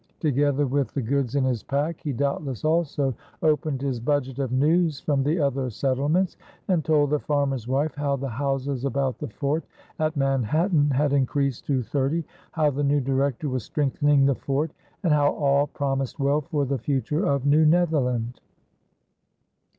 Together with the goods in his pack, he doubtless also opened his budget of news from the other settlements and told the farmer's wife how the houses about the fort at Manhattan had increased to thirty, how the new Director was strengthening the fort, and how all promised well for the future of New Netherland.